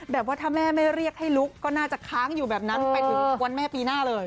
แบบว่าถ้าแม่ไม่เรียกให้ลุกก็น่าจะค้างอยู่แบบนั้นไปถึงวันแม่ปีหน้าเลย